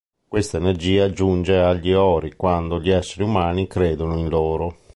Questa energia giunge agli Ori quando gli esseri umani credono in loro.